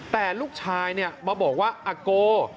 แต่ลูกชายมาบอกว่าอาโก